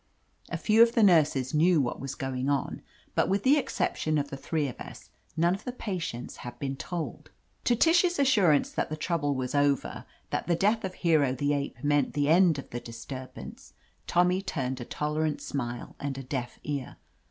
A few of the nurses knew what was going on, but with the exception of the three of us, none of the patients had been told. To Tish's assurance that the trouble was over, that the death of Hero, the ape, meant the end of the disturbance, Tommy turned a tolerant smile and a deaf ear.